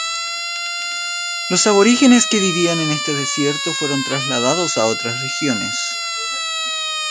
Los aborígenes que vivían en este desierto fueron trasladados a otras regiones.